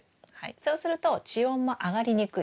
そうすると地温も上がりにくい。